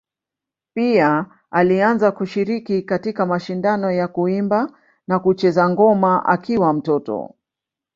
Pia alianza kushiriki katika mashindano ya kuimba na kucheza ngoma akiwa mtoto.